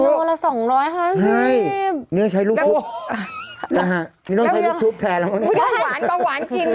พริกหนูละ๒๕๐บาทเนี่ยใช้ลูกชุบไม่ต้องใช้ลูกชุบแทนแล้ว